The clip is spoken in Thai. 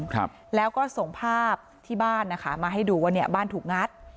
ครับแล้วก็ส่งภาพที่บ้านนะคะมาให้ดูว่าเนี่ยบ้านถูกงัด